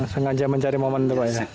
sengaja mencari momen itu pak